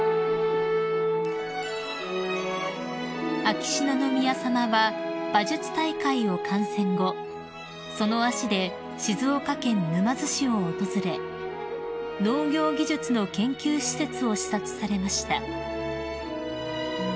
［秋篠宮さまは馬術大会を観戦後その足で静岡県沼津市を訪れ農業技術の研究施設を視察されました］